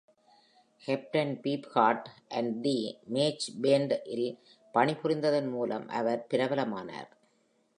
Captain Beefheart and the Magic Band -இல் பணிபுரிந்ததன் மூலம் அவர் பிரபலமானார்.